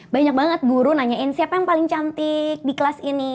banyak banget guru nanyain siapa yang paling cantik di kelas ini